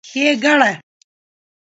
ښېګړه